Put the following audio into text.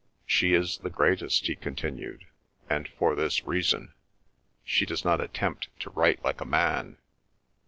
"She is the greatest," he continued, "and for this reason: she does not attempt to write like a man.